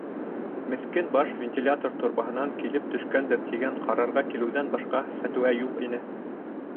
Меҫкен баш вентилятор торбаһынан килеп төшкәндер тигән ҡарарға килеүҙән башҡа фәтеүә юҡ ине.